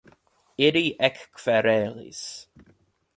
Ili ekkverelis.